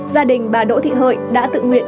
gia đình bà đỗ thị hợi đã tự nguyện